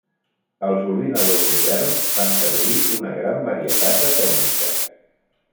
Els ordinadors moderns fan servir una gran varietat de tècniques.